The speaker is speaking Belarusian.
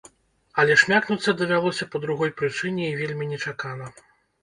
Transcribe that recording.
Але шмякнуцца давялося па другой прычыне і вельмі нечакана.